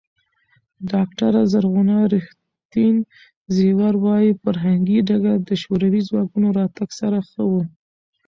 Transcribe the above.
ډاکټره زرغونه ریښتین زېور وايي، فرهنګي ډګر د شوروي ځواکونو راتګ سره ښه و.